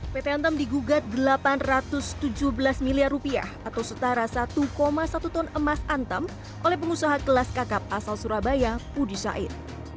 pt antam digugat delapan ratus tujuh belas miliar rupiah atau setara satu satu ton emas antam oleh pengusaha kelas kakap asal surabaya budi said